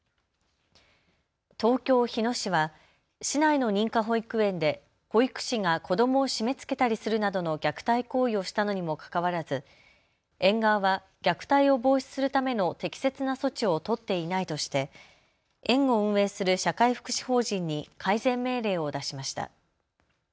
東京日野市は市内の認可保育園で保育士が子どもを締めつけたりするなどの虐待行為をしたのにもかかわらず園側は虐待を防止するための適切な措置を取っていないとして園を運営する社会福祉法人に改善命令を出しました。